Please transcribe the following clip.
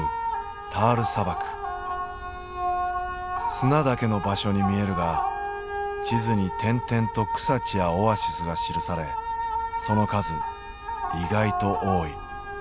砂だけの場所に見えるが地図に点々と草地やオアシスが記されその数意外と多い。